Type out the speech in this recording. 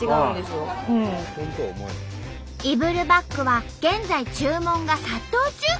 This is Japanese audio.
イブルバッグは現在注文が殺到中！